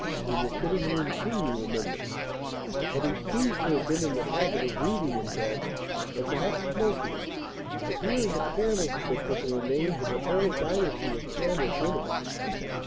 In the sitting room, too, you remember. But he seems to have been in the habit of reading in bed or perhaps smoking for here is a candlestick with the remains of a whole dynasty of candles in it.